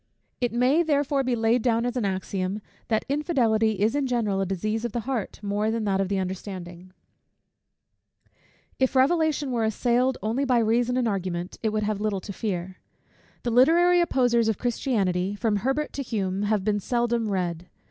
It may therefore be laid down as an axiom, that infidelity is in general a disease of the heart more than of the understanding. If Revelation were assailed only by reason and argument, it would have little to fear. The literary opposers of Christianity, from Herbert to Hume, have been seldom read.